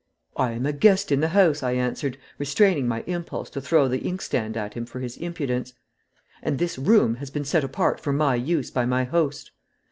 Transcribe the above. "I am a guest in the house," I answered, restraining my impulse to throw the inkstand at him for his impudence. "And this room has been set apart for my use by my host."